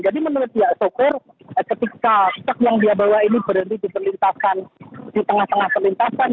jadi menurut soekar ketika truk yang dia bawa ini berhenti di tengah tengah pelintasan